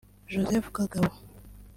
Joseph Kagabo